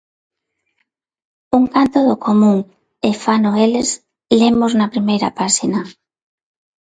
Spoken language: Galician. Un canto do común "E fano eles", lemos na primeira páxina.